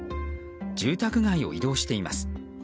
住宅街を移動しています。